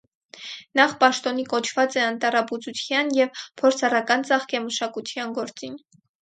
Նախ պաշտօնի կոչուած է անտառաբուծութեան եւ փորձառական ծաղկեմշակութեան գործին։